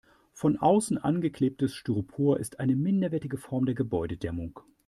Von außen angeklebtes Styropor ist eine minderwertige Form der Gebäudedämmung.